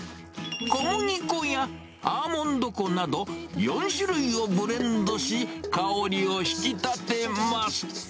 小麦粉やアーモンド粉など、４種類をブレンドし、香りを引き立てます。